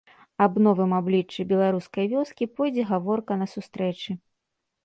Аб новым абліччы беларускай вёскі пойдзе гаворка на сустрэчы.